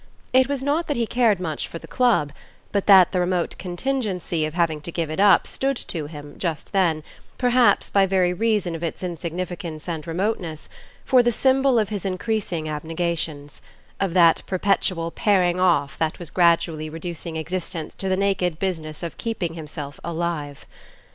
It was not that he cared much for the club, but that the remote contingency of having to give it up stood to him, just then, perhaps by very reason of its insignificance and remoteness, for the symbol of his increasing abnegations; of that perpetual paring off that was gradually reducing existence to the naked business of keeping himself alive.